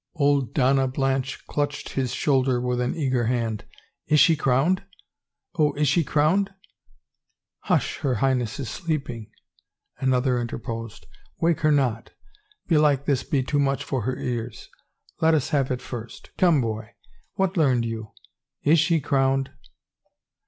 Old Donna Blanche clutched his shoulder with an eager hand. Is she crowned ? Oh, is she crowned ?"*' Hush, her Highness is sleeping," another interposed. " Wake her not — belike this be too much for her ears. Let us have it first. Come, boy, what learned you? Is she crowned